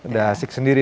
udah asik sendiri